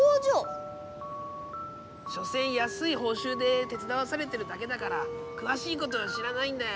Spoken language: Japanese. しょせんやすいほうしゅうで手つだわされてるだけだからくわしいことは知らないんだよ。